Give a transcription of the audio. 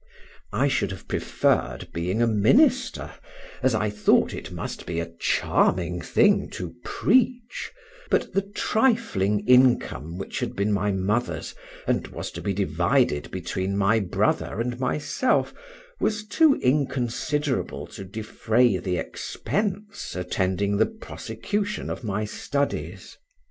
I should have preferred being a minister, as I thought it must be a charming thing to preach, but the trifling income which had been my mother's, and was to be divided between my brother and myself, was too inconsiderable to defray the expense attending the prosecution of my studies.